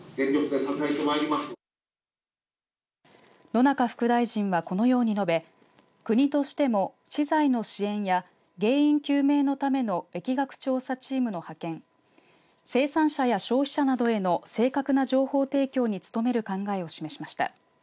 野中副大臣はこのように述べ国としても資材の支援や原因究明のための疫学調査チームの派遣生産者や消費者などへの正確な情報提供に努める考えを示しました。